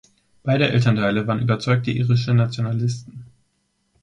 Beide Elternteile waren überzeugte irische Nationalisten.